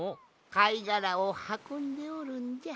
かいがらをはこんでおるんじゃ。